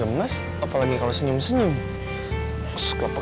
asal bang liman tau ya